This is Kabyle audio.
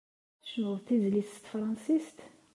Ad ɣ-d-tecnuḍ tizlit s tefransist?